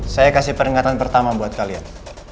saya kasih peringatan pertama buat kalian